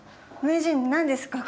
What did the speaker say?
名人何ですか？